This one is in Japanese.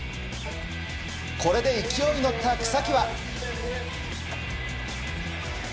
これで勢いに乗った草木は。